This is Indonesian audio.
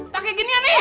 pakai ginian nih